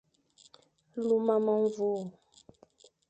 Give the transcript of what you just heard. Luma memvur,